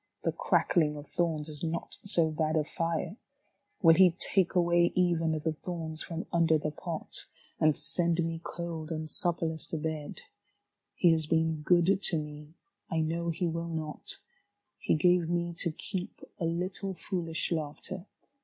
The crackling of thorns is not so bad a fire. Will He take away even the thorns from under the pot. And send me cold and supperless to bed? Vigils He has been good to me. I know he will not. He gave me to keep a Httle foolish laughter.